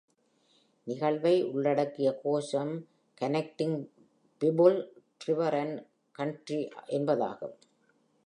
நிகழ்வை உள்ளடக்கிய கோஷம் 'கன்னெக்ட்டிங் பிபுல், ரிவர் அண்ட் கண்ட்ரி',என்பதாகும்.